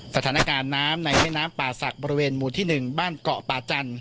สถานการณ์น้ำในแม่น้ำป่าศักดิ์บริเวณหมู่ที่๑บ้านเกาะป่าจันทร์